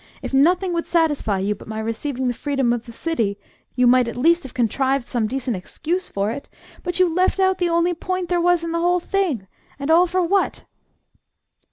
If nothing would satisfy you but my receiving the freedom of the City, you might at least have contrived some decent excuse for it! But you left out the only point there was in the whole thing and all for what?"